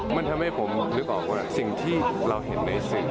มันทำให้ผมนึกออกว่าสิ่งที่เราเห็นในสิ่ง